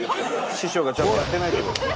師匠がちゃんとやってないって事ね。